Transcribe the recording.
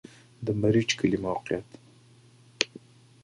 د مريچ کلی موقعیت